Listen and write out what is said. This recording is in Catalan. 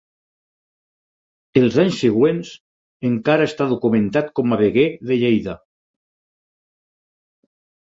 Els anys següents encara està documentat com a veguer de Lleida.